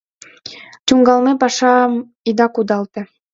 Тӱҥалме пашам ида кудалте.